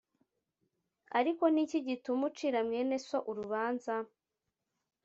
Ariko ni iki gituma ucira mwene So urubanza